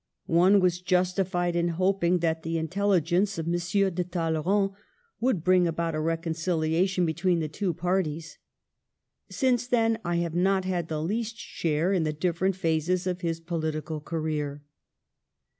" One was justified in hoping that the intelligence of M. de Talleyrand would bring about a reconciliation between the two parties. Since then I have not had the least share in the different phases of his political career."